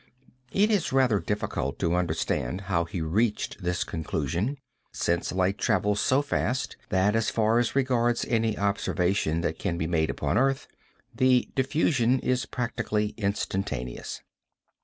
It is rather difficult to understand how he reached this conclusion since light travels so fast that as far as regards any observation that can be made upon earth, the diffusion is practically instantaneous.